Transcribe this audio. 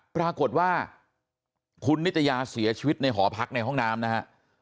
ปรากฏว่าคุณนิตยาเสียชีวิตในหอพักในห้องน้ำนะฮะ